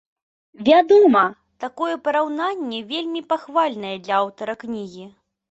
Вядома, такое параўнанне вельмі пахвальнае для аўтара кнігі.